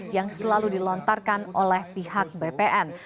yang selalu dilontarkan oleh pihak bpn